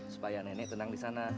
supaya nenek tenang di sana